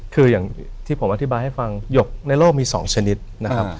คืออย่างที่ผมอธิบายให้ฟังหยกในโลกมี๒ชนิดนะครับ